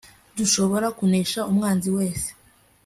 dushobora kunesha umwanzi wese